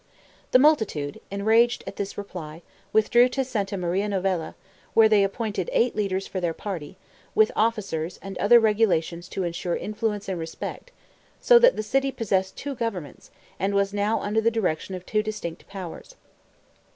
The multitude, enraged at this reply, withdrew to Santa Maria Novella, where they appointed eight leaders for their party, with officers, and other regulations to ensure influence and respect; so that the city possessed two governments, and was under the direction of two distinct powers.